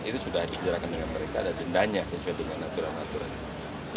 itu sudah dikejarakan oleh mereka dan dendanya sesuai dengan aturan aturannya